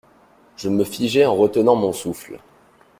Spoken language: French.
Je me figeai en retenant mon souffle.